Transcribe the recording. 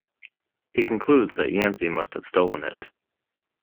He concludes that Yancy must have stolen it.